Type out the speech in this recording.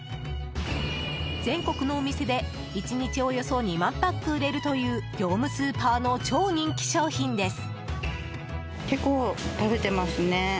全国のお店で、１日およそ２万パック売れるという業務スーパーの超人気商品です。